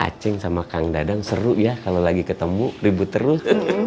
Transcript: cacing sama kang dadang seru ya kalau lagi ketemu ribut terus